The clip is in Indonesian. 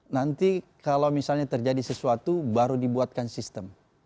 nanti kalau misalnya terjadi sesuatu baru dibuatkan sistem